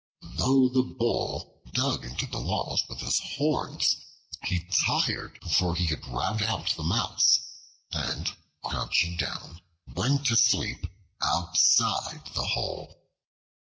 Though the Bull dug into the walls with his horns, he tired before he could rout out the Mouse, and crouching down, went to sleep outside the hole.